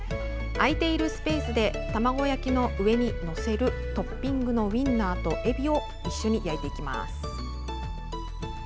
空いているスペースで卵焼きの上に載せるトッピングのウインナーとえびを一緒に焼いていきます。